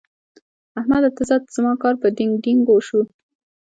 احمده! ته ځه؛ زما کار په ډينګ ډينګو شو.